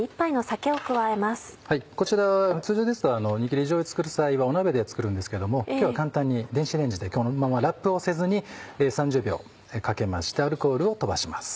こちら通常ですと煮切りじょうゆを作る際は鍋で作るんですけれども今日は簡単に電子レンジでこのままラップをせずに３０秒かけましてアルコールを飛ばします。